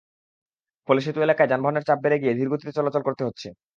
ফলে সেতু এলাকায় যানবাহনের চাপ বেড়ে গিয়ে ধীর গতিতে চলাচল করতে হচ্ছে।